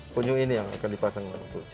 penyuh ini yang akan dipasangkan